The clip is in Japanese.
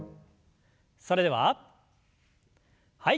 それでははい。